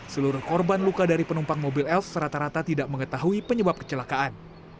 seluruh korban luka dari penumpang mobil elf serata rata tidak mengetahui penyebab kecelakaan